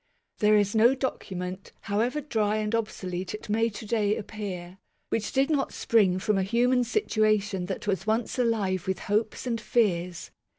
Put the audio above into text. There is no document, however dry and obsolete it may to day appear, which did not spring from a human situation that was once alive with hopes and fears.